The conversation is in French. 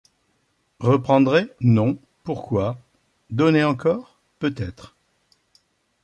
Reprendré ? Non ; pourquoi ? Donner encor ? 'Peut-être.